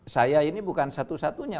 saya ini bukan satu satunya